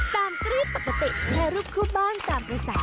ตามภาษา